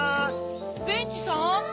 ベンチさん？